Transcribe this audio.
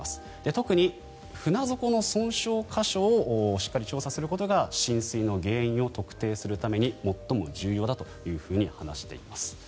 特に船底の損傷箇所をしっかり調査することが浸水の原因を特定するために最も重要だというふうに話しています。